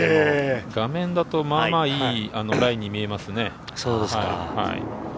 画面だと、まあまあ良いライに見えますね。